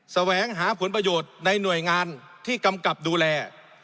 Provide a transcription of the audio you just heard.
แสวงหาผลประโยชน์ในหน่วยงานที่กำกับดูแล